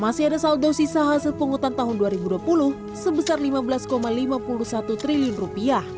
masih ada saldo sisa hasil pungutan tahun dua ribu dua puluh sebesar rp lima belas lima puluh satu triliun